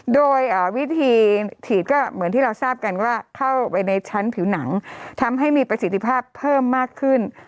โดยวิธีฉีดก็เหมือนที่เราทราบกันว่าเข้าไปในชั้นผิวหนังทำให้มีประสิทธิภาพเพิ่มมากขึ้น